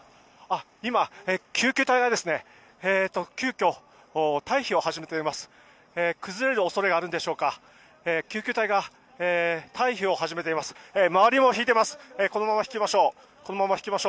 今、救急隊が急きょ退避を始めております。